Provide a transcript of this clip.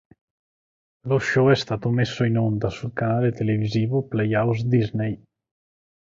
Lo show è stato messo in onda sul canale televisivo Playhouse Disney.